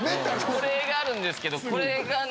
これがあるんですけどこれがね